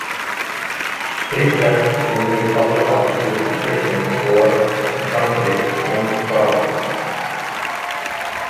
State tests limited public offices to Christians or, in some states, only to Protestants.